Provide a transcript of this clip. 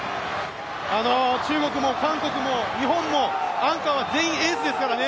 中国も韓国も日本もアンカーは全員エースですからね。